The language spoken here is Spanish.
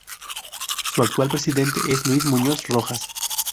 Su actual presidente es Luis Muñoz Rojas.